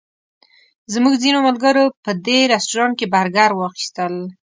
زموږ ځینو ملګرو په دې رسټورانټ کې برګر واخیستل.